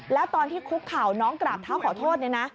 และตอนที่คุกเข่าน้องกราบเท้าขอโทษ